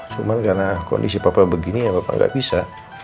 cuman karena kondisi papa begini ya papa enggak bisa